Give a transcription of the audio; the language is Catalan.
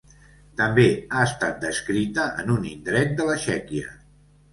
També ha estat descrita en un indret de la Txèquia.